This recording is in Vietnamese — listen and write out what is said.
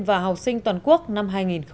và học sinh toàn quốc năm hai nghìn một mươi bảy